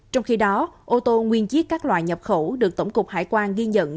trong khi đó ô tô nguyên chiếc các loại nhập khẩu được tổng cục hải quan ghi nhận